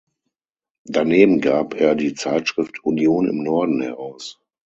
Daneben gab er die Zeitschrift "Union im Norden" heraus.